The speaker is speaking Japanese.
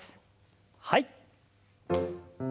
はい。